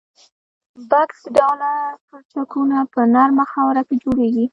بکس ډوله پلچکونه په نرمه خاوره کې جوړیږي